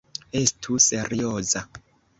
Estu serioza!